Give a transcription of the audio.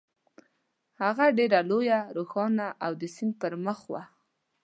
هغه ډېره لویه، روښانه او د سیند پر مخ وه.